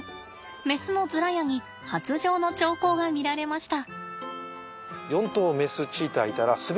メスのズラヤに発情の兆候が見られました。